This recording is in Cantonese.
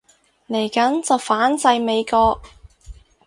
嚟緊就反制美國